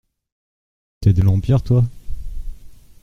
T'es de l'Empire, toi ?